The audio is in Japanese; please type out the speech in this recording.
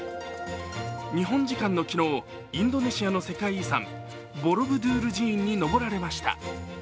日本時間の昨日、インドネシアの世界遺産、ボロブドゥール寺院に登られました。